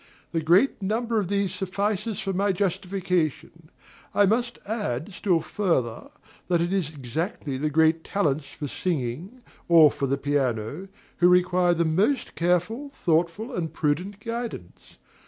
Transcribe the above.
The great number of these suffices for my justification. I must add, still further, that it is exactly the "great talents" for singing, or for the piano, who require the most careful, thoughtful, and prudent guidance.